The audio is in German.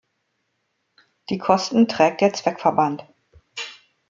Die Kosten trägt der Zweckverband.